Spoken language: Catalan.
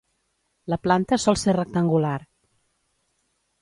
La planta sol ser rectangular.